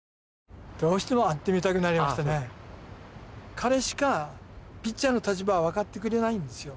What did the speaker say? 彼しかピッチャーの立場を分かってくれないんですよ。